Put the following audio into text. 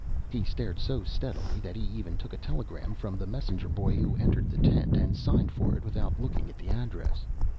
He stared so steadily that he even took a telegram from the messenger boy who entered the tent, and signed for it without looking at the address.